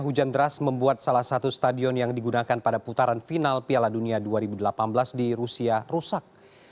hujan deras membuat salah satu stadion yang digunakan pada putaran final piala dunia dua ribu delapan belas di rusia rusak